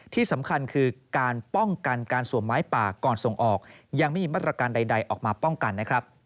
ที่สำคัญคือการป้องกันการสวมไม้ป่าก่อนส่งออกยังไม่มีมาตรการใดออกมาป้องกันนะครับ